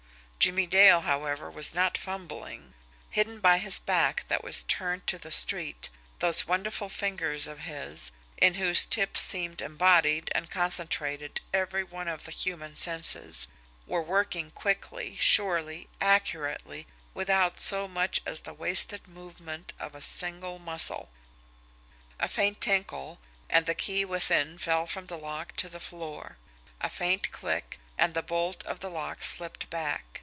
Jimmie Dale, however, was not fumbling hidden by his back that was turned to the street, those wonderful fingers of his, in whose tips seemed embodied and concentrated every one of the human senses, were working quickly, surely, accurately, without so much as the wasted movement of a single muscle. A faint tinkle and the key within fell from the lock to the floor. A faint click and the bolt of the lock slipped back.